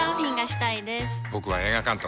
僕は映画監督。